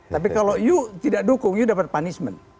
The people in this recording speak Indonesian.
tapi kalau kamu tidak dukung kamu dapat punishment